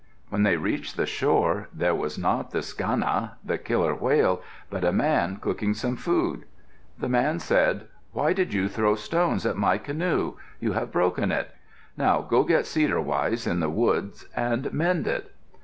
When they reached the shore, there was not the Skana, the killer whale, but a man cooking some food. The man said, "Why did you throw stones at my canoe? You have broken it. Now go get cedar withes in the woods and mend it."